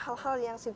hal hal yang terjadi